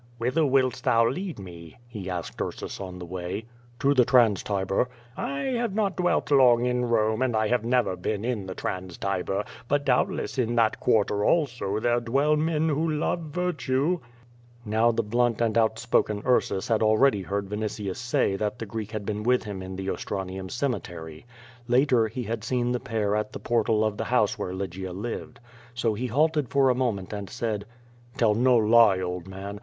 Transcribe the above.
"Whither wilt thou lead me?" he asked Ursus on the way. "To the Trans Tiber." "I have not dwelt long in Rome, and I have never been in the Trans Tiber, but doubtless in that quarter also there dwell men who love virtue." Now the blunt and outspoken Ursus had already heard Vinitius say that the Greek had been with him in the Ostra nium cemetery. I^ter he had seen the pair at the portal of the house where Lygia lived. So he halted for a moment and said: "Tell no lie, old man.